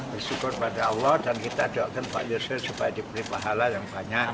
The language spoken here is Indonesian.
bersyukur pada allah dan kita doakan pak yusril supaya diberi pahala yang banyak